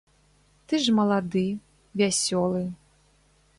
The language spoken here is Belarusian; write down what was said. Ты ж малады, вясёлы.